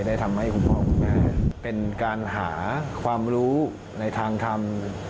ได้ทำให้คุณพ่อคุณแม่เป็นการหาความรู้ในทางทำ